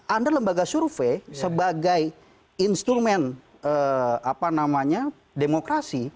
anda lembaga survei sebagai instrumen demokrasi